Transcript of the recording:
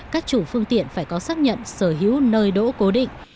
các chủ phương tiện phải có xác nhận sở hữu nơi đỗ cố định